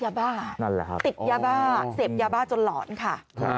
ยาบ้าติดยาบ้าเสพยาบ้าจนหลอนค่ะ